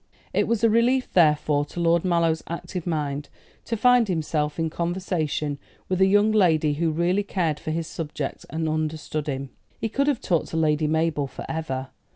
It was a relief, therefore, to Lord Mallow's active mind to find himself in conversation with a young lady who really cared for his subject and understood him. He could have talked to Lady Mabel for ever.